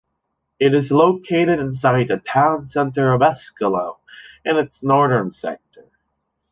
It is located inside the town center of Escalo, in its northern sector.